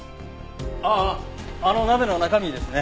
あああの鍋の中身ですね。